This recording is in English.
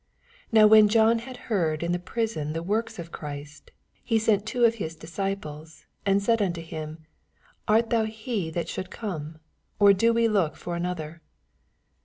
2 Now when John had heard in the prison the works of Christ, he sent two of his disciples. 8 And said unto nim, Art thon he that shonld come, or do we look for another!